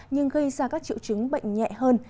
nhưng gây ra các triệu chứng bệnh nhẹ hơn